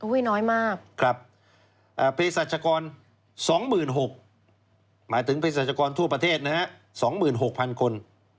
น้อยมากครับเพศรัชกร๒๖๐๐หมายถึงเพศรัชกรทั่วประเทศนะฮะ๒๖๐๐๐คน